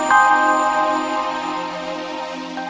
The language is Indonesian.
aku akan menemukanmu